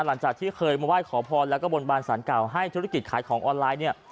หลังจากที่เคยมาไหว้ขอพรแล้วก็บนบานสารเก่าให้ธุรกิจขายของออนไลน์เนี่ย